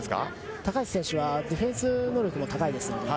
高橋選手はディフェンス能力も高いです。